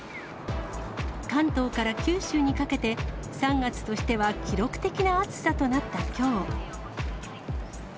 関東から九州にかけて、３月としては記録的な暑さとなったきょう。